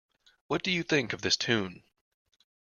What do you think of this Tune?